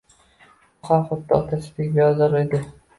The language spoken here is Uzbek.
U ham xuddi otasidek beozor edi.